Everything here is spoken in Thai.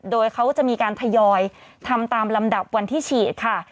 โดยเขาจะมีการทยอยทำตามลำดับวันที่ฉีดค่ะ